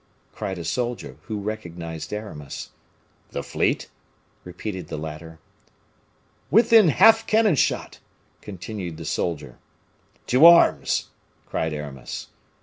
cried a soldier, who recognized Aramis. "The fleet?" repeated the latter. "Within half cannon shot," continued the soldier. "To arms!" cried Aramis.